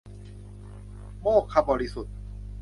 โมกขบริสุทธิ์